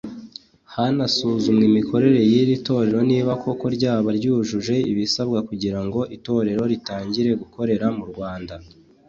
hanasuzumwe imikorere y’iri torero niba koko ryaba ryujuje ibisabwa kugira ngo itorero ritangire gukorera mu Rwanda